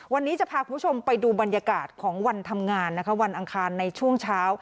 วันนี้จะพาคุณผู้ชมไปดูบรรยากาศของวันทำงานนะคะวันอังคารในช่วงเช้า